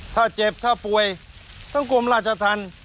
ถ้าเจ็บถ้าป่วยทั้งกลุ่มราชทัน